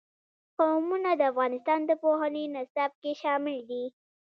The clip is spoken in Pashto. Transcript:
قومونه د افغانستان د پوهنې نصاب کې شامل دي.